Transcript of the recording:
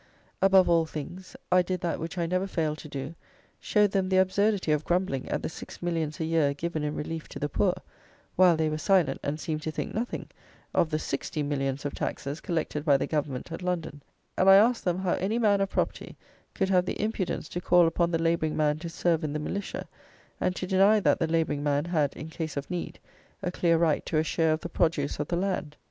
Above all things, I did that which I never fail to do, showed them the absurdity of grumbling at the six millions a year given in relief to the poor, while they were silent, and seemed to think nothing of the sixty millions of taxes collected by the Government at London, and I asked them how any man of property could have the impudence to call upon the labouring man to serve in the militia, and to deny that that labouring man had, in case of need, a clear right to a share of the produce of the land.